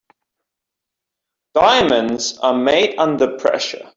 Diamonds are made under pressure.